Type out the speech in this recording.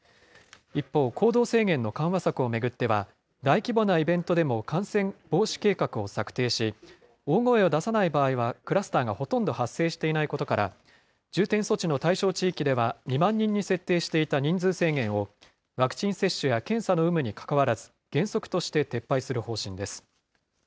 一方、行動制限の緩和策を巡っては、大規模なイベントでも、感染防止計画を策定し、大声を出さない場合はクラスターがほとんど発生していないことから、重点措置の対象地域では２万人に設定していた人数制限を、ワクチン接種や検査の有無にかかわらず、原則として撤廃する方針です。